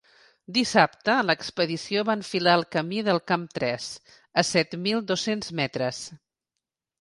Dissabte, l’expedició va enfilar el camí del camp tres, a set mil dos-cents metres.